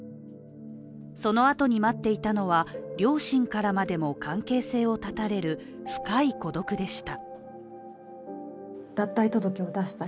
そのあとに待っていたのは、両親からまでも関係性を絶たれる深い孤独でした。